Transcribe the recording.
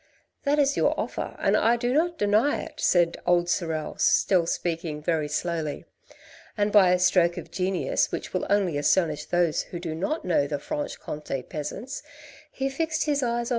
"That is your offer and I do not deny it," said old Sorel, speaking still very slowly; and by a stroke of genius which will only astonish those who do not know the Franche Comte peasants, he fixed his eyes on M.